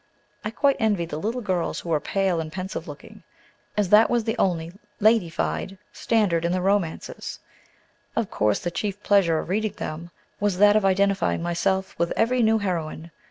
I quite envied the little girls who were pale and pensive looking, as that was the only ladyfied standard in the romances. Of course, the chief pleasure of reading them was that of identifying myself with every new heroine.